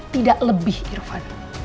tidak lebih irwan